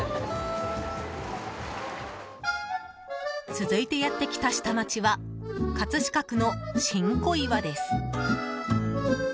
続いてやってきた下町は葛飾区の新小岩です。